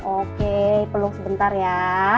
oke peluk sebentar ya